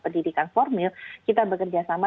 pendidikan formil kita bekerjasama